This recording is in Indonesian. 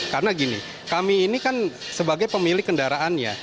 karena gini kami ini kan sebagai pemilik kendaraannya